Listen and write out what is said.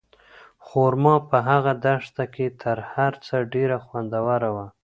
خورما په هغه دښته کې تر هر څه ډېره خوندوره وه.